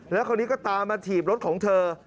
แล้วคราวนี้ก็ตามมาถีบรถของเธอ